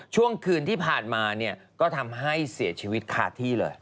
ช่วงคืนที่ผ่านมาเนี่ยก็ทำให้เสียชีวิตคาที่เลย